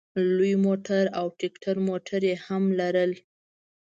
لوی موټر او ټیکټر موټر یې هم لرل.